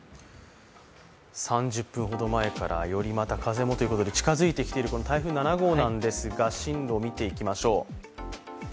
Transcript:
３０分ほど前からより風もということで近付いている台風７号ですが進路を見ていきましょう。